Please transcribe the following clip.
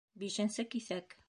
Бишенсе киҫәк.